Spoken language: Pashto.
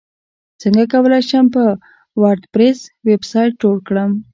څنګه کولی شم په وردپریس ویبسایټ جوړ کړم